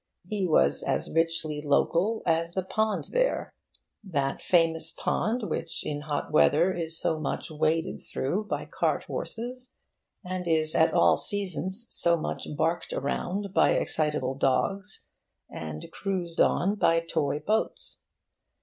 He was as richly local as the pond there that famous pond which in hot weather is so much waded through by cart horses and is at all seasons so much barked around by excitable dogs and cruised on by toy boats.